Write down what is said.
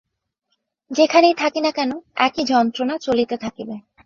যেখানেই থাকি না কেন, একই যন্ত্রণা চলিতে থাকিবে।